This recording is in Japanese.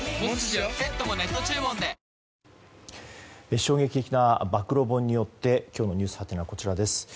衝撃的な暴露本によって今日のｎｅｗｓのハテナはこちらです。